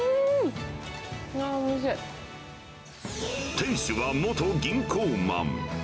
店主は元銀行マン。